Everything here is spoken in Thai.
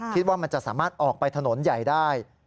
คิดว่ามันจะสามารถออกไปถนนใหญ่ได้